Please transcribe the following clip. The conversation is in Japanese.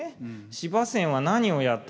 司馬遷は何をやったのか。